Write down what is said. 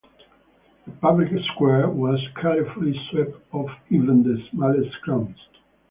The public square was carefully swept of even the smallest crumbs.